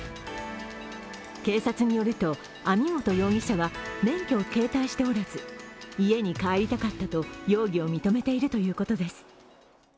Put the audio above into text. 警察によると、網本容疑者は免許を携帯しておらず家に帰りたかったと容疑を認めているということです。